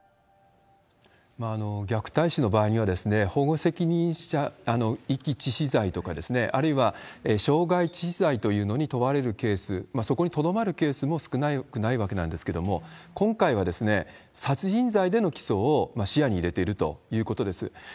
虐待死の場合には、保護責任者遺棄致死罪とか、あるいは傷害致死罪というのに問われるケース、そこにとどまるケースも少なくないわけなんですけれども、今回は殺人罪での起訴を視野に入れているということです。